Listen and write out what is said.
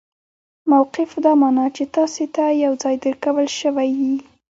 موقف دا مانا، چي تاسي ته یو ځای درکول سوی يي.